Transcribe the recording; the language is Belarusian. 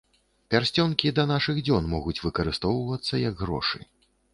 Пярсцёнкі да нашых дзён могуць выкарыстоўвацца як грошы.